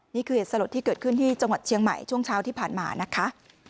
นี่คือเหตุสลดที่เกิดขึ้นที่จังหวัดเชียงใหม่ช่วงเช้าที่ผ่านมานะคะ